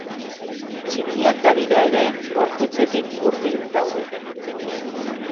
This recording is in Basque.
Txikiak badira ere, gorputzetik hurbil daude.